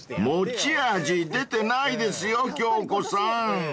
［持ち味出てないですよ京子さん］